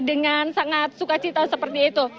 dengan sangat suka cita seperti itu